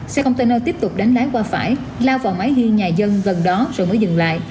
xe container tiếp tục đánh lái qua phải lao vào máy ghi nhà dân gần đó rồi mới dừng lại